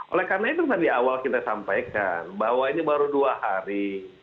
oleh karena itu tadi awal kita sampaikan bahwa ini baru dua hari